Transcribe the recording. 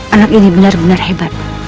anak ini benar benar hebat